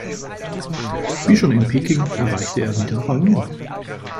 Wie schon in Peking erreichte er wieder Rang neun.